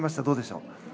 どうでしょう。